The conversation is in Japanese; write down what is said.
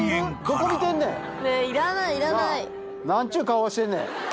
何ちゅう顔してんねん。